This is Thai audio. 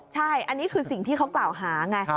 ใช่อันนี้คือสิ่งที่เขากล่าวหาไง